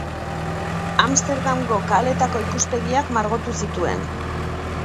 Amsterdamgo kaleetako ikuspegiak margotu zituen.